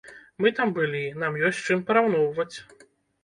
Мы там былі, нам ёсць з чым параўноўваць.